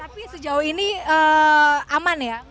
tapi sejauh ini aman ya